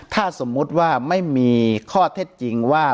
ถ้าสมมุติว่าไม่มีข้อเท็จจริงว่า